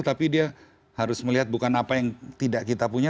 tapi dia harus melihat bukan apa yang tidak kita punya